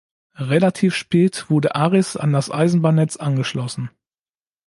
Relativ spät wurde Arys an das Eisenbahnnetz angeschlossen.